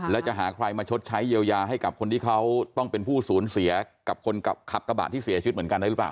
แล้วจะหาใครมาชดใช้เยียวยาให้กับคนที่เขาต้องเป็นผู้สูญเสียกับคนขับกระบะที่เสียชีวิตเหมือนกันได้หรือเปล่า